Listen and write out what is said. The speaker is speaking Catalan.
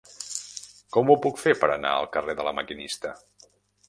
Com ho puc fer per anar al carrer de La Maquinista?